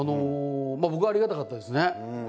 僕はありがたかったですね。